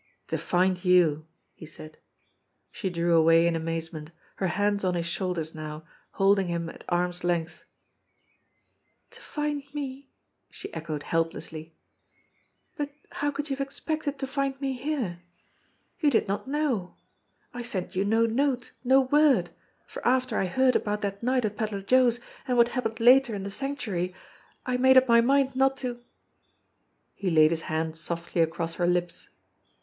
"To find you," he said. She drew away in amazement, her hands on his shoulders now, holding him at arms' length. "To find me !" she echoed helplessly. "But how could you have expected to find me here ? You did not know. I sent you no note, no word, for after I heard about that night at Pedler Joe's and what happened later in the Sanctuary, I lade up my mind not to " He laid his hand softly across her lips.